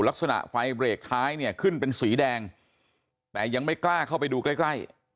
ลักษณะไฟเบรกท้ายเนี่ยขึ้นเป็นสีแดงแต่ยังไม่กล้าเข้าไปดูใกล้ใกล้